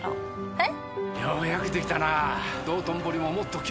えっ？